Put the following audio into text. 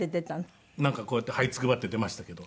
なんかこうやってはいつくばって出ましたけど。